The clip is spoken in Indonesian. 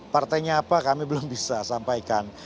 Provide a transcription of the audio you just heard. partainya apa kami belum bisa sampaikan